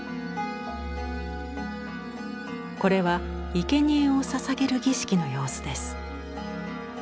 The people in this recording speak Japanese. これはいけにえをささげる儀式の様子です。